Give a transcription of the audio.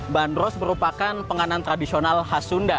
bandros merupakan penganan tradisional khas sunda